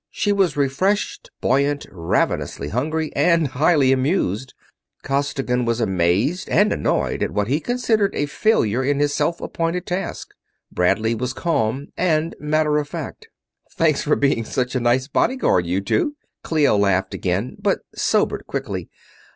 She was refreshed, buoyant, ravenously hungry and highly amused. Costigan was amazed and annoyed at what he considered a failure in a self appointed task; Bradley was calm and matter of fact. "Thanks for being such a nice body guard, you two." Clio laughed again, but sobered quickly.